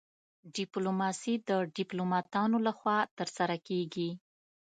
ډیپلوماسي د ډیپلوماتانو لخوا ترسره کیږي